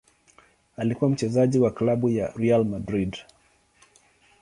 Alikuwa mchezaji wa klabu ya Real Madrid.